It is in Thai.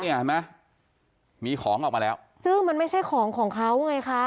เห็นไหมมีของออกมาแล้วซึ่งมันไม่ใช่ของของเขาไงคะ